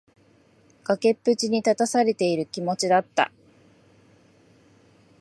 崖っぷちに立たされている気持ちだった。